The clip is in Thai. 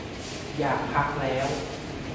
อยากพักแล้ว